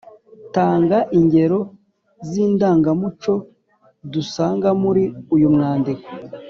tanga ingero z’indangamuco dusanga muri uyu mwandiko